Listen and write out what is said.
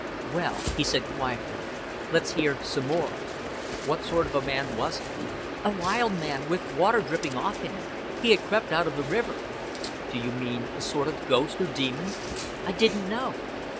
"Well," he said quietly, "let's hear some more. What sort of a man was it?" "A wild man with water dripping off him. He had crept out of the river." "Do you mean a sort of ghost or demon?" "I didn't know."